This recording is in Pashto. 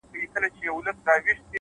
زغم د بریالیتوب پټ ځواک دی’